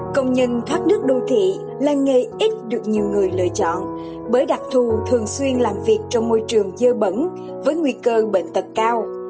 công nhân thoát nước đô thị là nghề ít được nhiều người lựa chọn bởi đặc thù thường xuyên làm việc trong môi trường dơ bẩn với nguy cơ bệnh tật cao